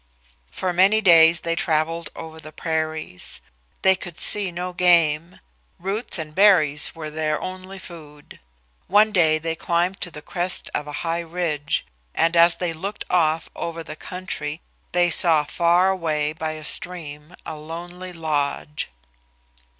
For many days they travelled over the prairies. They could see no game; roots and berries were their only food. One day they climbed to the crest of a high ridge, and as they looked off over the country they saw far away by a stream a lonely lodge.